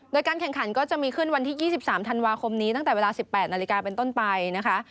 โดยการแข่งขันก็จะมีขึ้นวันที่๒๓ธันวาคมนี้ตั้งแต่เวลา๑๘นาฬิกาเป็นต้นไปนะคะ